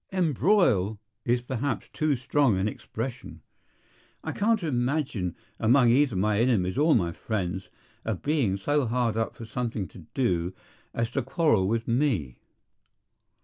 "Embroil" is perhaps too strong an expression. I can't imagine among either my enemies or my friends a being so hard up for something to do as to quarrel with me.